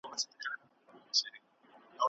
شیخ په غټو سترګو ړوند، ملا یې ویني